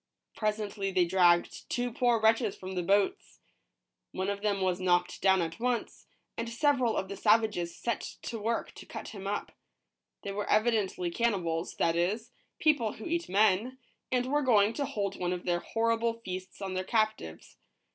Presently they dragged two poor wretches from the boats. One of them was knocked down at once, and several of the savages set to work to cut him up. They were evidently cannibals, that is, people who eat men, and were going to hold one of their horrible feasts on their captives.